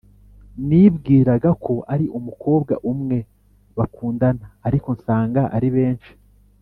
nibwiraga ko ari umukobwa umwe bakundana ariko nsanga ari benshi